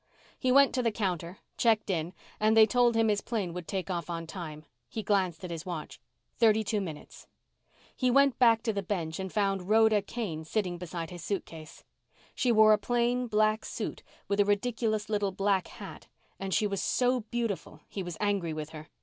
He went to the counter, checked in, and they told him his plane would take off on time. He glanced at his watch. Thirty two minutes. He went back to the bench and found Rhoda Kane sitting beside his suitcase. She wore a plain, black suit with a ridiculous little black hat and she was so beautiful he was angry with her.